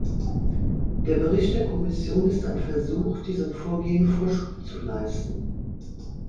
Der Bericht der Kommission ist ein Versuch, diesem Vorgehen Vorschub zu leisten.